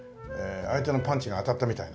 相手のパンチが当たったみたいな。